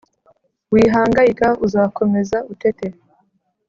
Wihangayika, uzakomeza utete